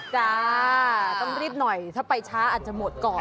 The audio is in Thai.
จ้าต้องรีบหน่อยถ้าไปช้าอาจจะหมดก่อน